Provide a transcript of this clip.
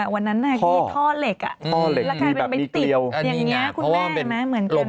วันนั้นที่ท่อเหล็กแล้วคลายเป็นไปติดอย่างนี้คุณแม่